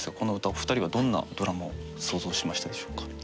お二人はどんなドラマを想像しましたでしょうか？